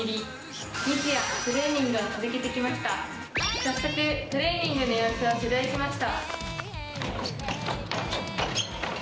早速トレーニングの様子を取材しました。